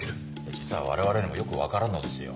実は我々にもよく分からんのですよ。